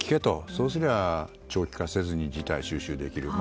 そうすりゃ長期化せずに事態収拾できると。